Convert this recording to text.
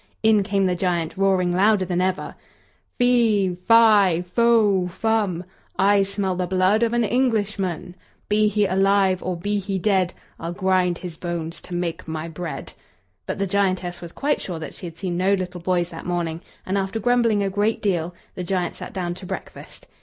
In came the giant, roaring louder than ever: "Fee, fi, fo, fum, I smell the blood of an Englishman; Be he alive; or be he dead, I'll grind his bones to make my bread!" But the giantess was quite sure that she had seen no little boys that morning; and after grumbling a great deal, the giant sat down to breakfast.